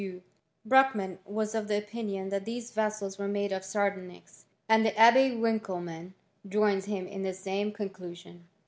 Bruckmann was of opinion that these vessels were made of sardonyx, and the Abb4 Winckelmann joins him in the same con clusion.